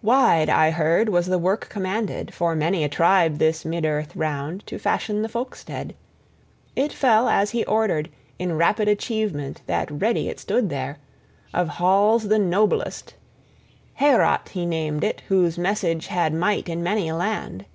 Wide, I heard, was the work commanded, for many a tribe this mid earth round, to fashion the folkstead. It fell, as he ordered, in rapid achievement that ready it stood there, of halls the noblest: Heorot {1a} he named it whose message had might in many a land.